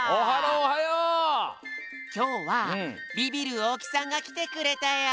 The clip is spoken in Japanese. きょうはビビる大木さんがきてくれたよ。